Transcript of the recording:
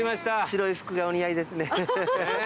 白い服がお似合いですね。